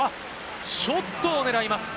ショットを狙います。